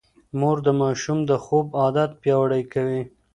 مور د ماشوم د خوب عادت پياوړی کوي.